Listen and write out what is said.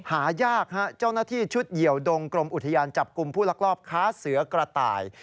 หายากฮะเจ้าหน้าที่ชุดเหี่ยวดงกรมอุทยานจับกลุ่มผู้ลักลอบค้าเสือกระต่าย